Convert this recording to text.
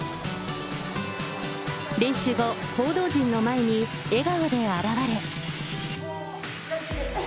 練習後、報道陣の前に笑顔で現れ。